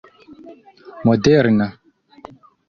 moderna